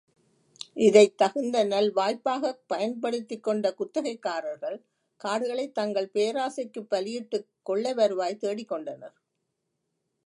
இதைத் தகுந்த நல்வாய்ப்பாகப் பயன்படுத்திக் கொண்ட குத்தகைக்காரர்கள், காடுகளைத் தங்கள் பேராசைக்குப் பலியிட்டுக் கொள்ளை வருவாய் தேடிக்கொண்டனர்.